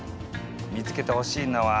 見つけてほしいのは。